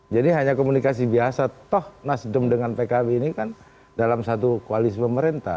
jadi hanya komunikasi biasa toh nasdem dengan pkb ini kan dalam satu koalisi pemerintah